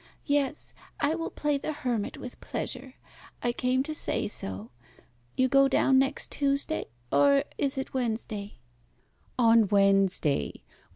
Yes, I will play the hermit with pleasure. I came to say so. You go down next Tuesday, or is it Wednesday?" "On Wednesday.